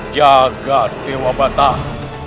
jaga dewa batah